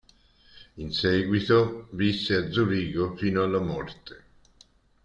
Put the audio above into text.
In seguito visse a Zurigo fino alla morte.